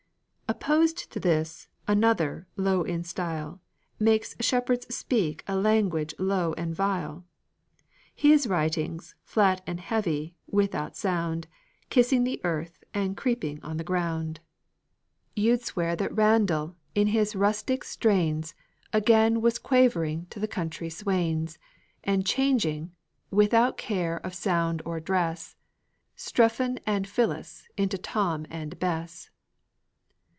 Opposed to this, another, low in style, Makes shepherds speak a language low and vile; His writings, flat and heavy, without sound, Kissing the earth and creeping on the ground; You'd swear that Randal, in his rustic strains, Again was quavering to the country swains, And changing, without care of sound or dress, Strephon and Phyllis into Tom and Bess.